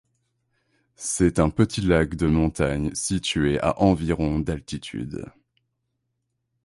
C'est un petit lac de montagne situé à environ d'altitude.